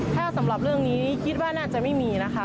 ถ้าสำหรับเรื่องนี้คิดว่าน่าจะไม่มีนะคะ